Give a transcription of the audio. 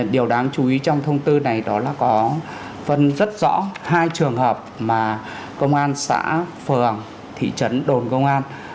điều đáng chú ý trong thông tư này đó là có phân rất rõ hai trường hợp mà công an xã phường thị trấn đồn công an